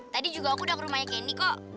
tadi juga aku dong rumahnya candy kok